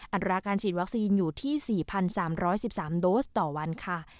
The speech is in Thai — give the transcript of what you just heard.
อัตราการฉีดวัคซีนอยู่ที่๔๓๑๓โดสต่อวันค่ะ